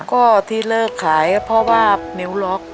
ก็ที่เลิกขายก็เพราะว่านิ้วล็อก